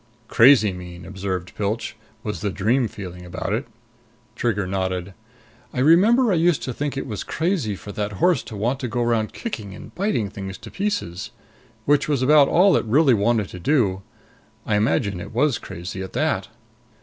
"'Crazy mean,'" observed Pilch, "was the dream feeling about it." Trigger nodded. "I remember I used to think it was crazy for that horse to want to go around kicking and biting things to pieces. Which was about all it really wanted to do. I imagine it was crazy, at that."